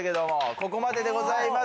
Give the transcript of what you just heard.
ここまででございます。